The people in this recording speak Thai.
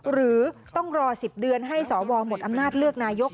หรือต้องรอ๑๐เดือนให้สวหมดอำนาจเลือกนายก